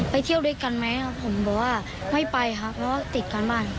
เที่ยวด้วยกันไหมผมบอกว่าไม่ไปครับเพราะว่าติดการบ้าน